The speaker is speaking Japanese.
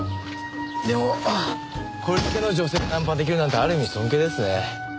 でもこれだけの女性をナンパ出来るなんてある意味尊敬ですね。